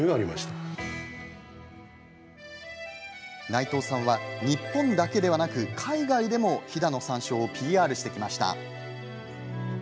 内藤さんは日本だけではなく海外でも飛騨の山椒をＰＲしてきました。